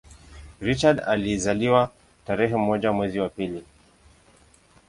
Richard alizaliwa tarehe moja mwezi wa pili